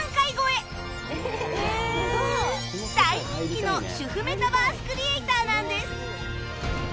大人気の主婦メタバースクリエイターなんです